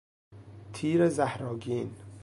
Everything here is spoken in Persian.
تیر زهرآگین